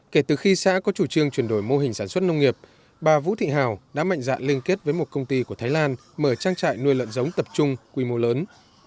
kể từ khi xã có chủ trương chuyển đổi mô hình sản xuất nông nghiệp bà vũ thị hào đã mạnh dạn liên kết với một công ty của thái lan mở trang trại nuôi lợn giống tập trung quy mô lớn